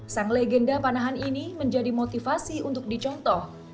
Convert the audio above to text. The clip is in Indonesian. sang legenda panahan ini menjadi motivasi untuk dicontoh